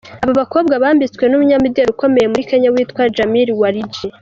Aba bakobwa bambitswe n’umunyamideli ukomeye muri Kenya witwa Jamil Walji.